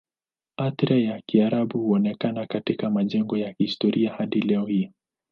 Athira ya Kiarabu huonekana katika majengo ya kihistoria hadi leo hii.